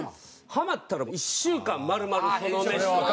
ハマったら１週間丸々その飯とか。